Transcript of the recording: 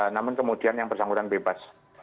namun kemudian yang bersangkutan bebas